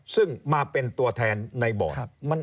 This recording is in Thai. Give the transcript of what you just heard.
ซึ่งมาเป็นตัวแทนในบอร์ด